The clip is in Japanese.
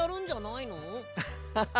アッハハ。